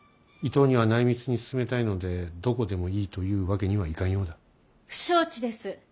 伊東には内密に進めたいのでどこでもいいというわけにはいかんようだ。不承知です。